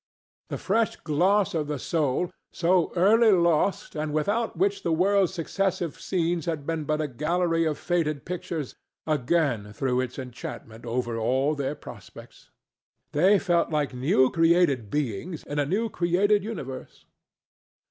The fresh gloss of the soul, so early lost and without which the world's successive scenes had been but a gallery of faded pictures, again threw its enchantment over all their prospects. They felt like new created beings in a new created universe.